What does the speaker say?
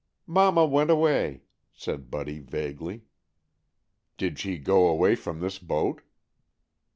"Mama went away," said Buddy vaguely. "Did she go away from this boat?"